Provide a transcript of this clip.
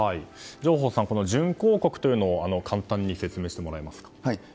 上法さん、準抗告というのを簡単に説明してもらえますか。